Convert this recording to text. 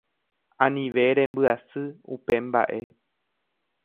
anive rembyasy upe mba'e